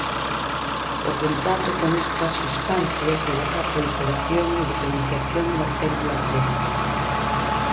O contacto con esta substancia provoca a proliferación e diferenciación da célula T.